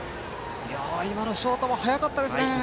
今のショート、早かったですね。